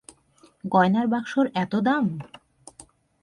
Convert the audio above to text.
গয়নায় বাক্সর এত দাম?